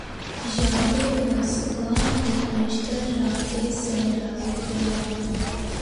یادِ مژگاں بہ نشتر زارِ صحراۓ خیال